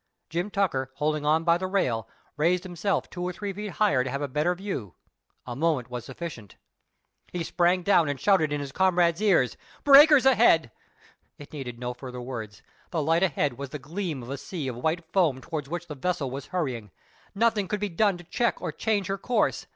Jim Tucker, holding on by the rail, raised himself two or three feet higher to have a better view. A moment was sufficient. He sprang down again and shouted in his comrades' ears, "Breakers ahead!" It needed no further words. The light ahead was the gleam of a sea of white foam towards which the vessel was hurrying. Nothing could be done to check or change her course.